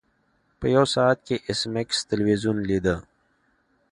په یو ساعت کې ایس میکس تلویزیون لیده